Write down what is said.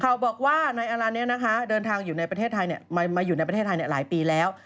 เขาบอกว่านายอลันเนี่ยนะคะมาอยุ่ในประเทศไทยหลายปีแล้ว